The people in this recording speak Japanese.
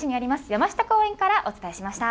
山下公園からお伝えしました。